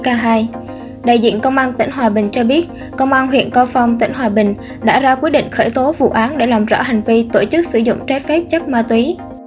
đại diện công an tỉnh hòa bình cho biết công an huyện cao phong tỉnh hòa bình đã ra quyết định khởi tố vụ án để làm rõ hành vi tổ chức sử dụng trái phép chất ma túy